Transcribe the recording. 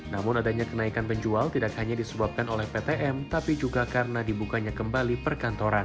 namun adanya kenaikan penjual tidak hanya disebabkan oleh ptm tapi juga karena dibukanya kembali perkantoran